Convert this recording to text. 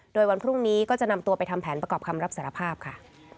โดยวันพรุ่งนี้ก็จะนำตัวไปทำแผนประกอบคำรับสารภาพค่ะ